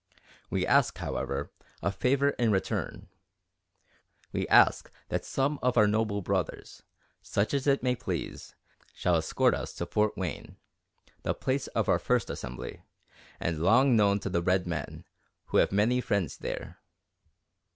"We ask, however, a favour in return. We ask that some of our noble brothers, such as it may please, shall escort us to Fort Wayne, the place of our first assembly, and long known to the red men, who have many friends there.